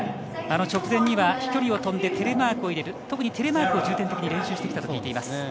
直前には飛距離を飛んでテレマークを入れる特にテレマークを重点的に練習してきたと聞いています。